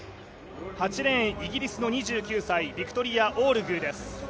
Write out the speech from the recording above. ８レーン、イギリスの２９歳ビクトリア・オールグーです。